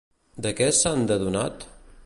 De què s'han d'adonat?